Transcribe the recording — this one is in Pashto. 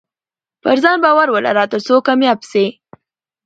پرځان باور ولره ترڅو کامياب سې